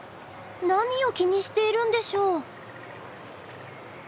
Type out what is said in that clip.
何を気にしているんでしょう？